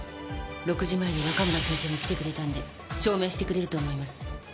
６時前に若村先生も来てくれたので証明してくれると思います。